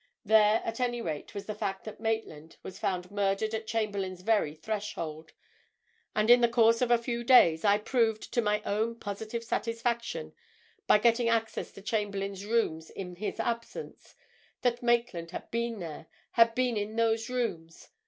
There, at any rate, was the fact that Maitland was found murdered at Chamberlayne's very threshold. And, in the course of a few days, I proved, to my own positive satisfaction, by getting access to Chamberlayne's rooms in his absence that Maitland had been there, had been in those rooms.